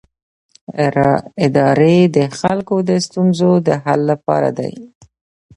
ادارې د خلکو د ستونزو د حل لپاره دي